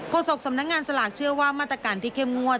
โศกสำนักงานสลากเชื่อว่ามาตรการที่เข้มงวด